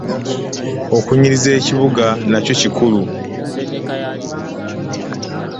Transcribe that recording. Okunyiriza ekibuga nakyo kikulu.